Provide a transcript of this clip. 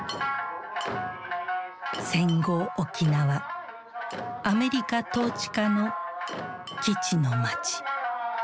戦後沖縄アメリカ統治下の基地の街。